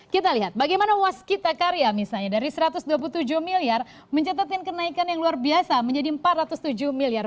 kita lihat bagaimana waskita karya misalnya dari satu ratus dua puluh tujuh miliar mencatatkan kenaikan yang luar biasa menjadi rp empat ratus tujuh miliar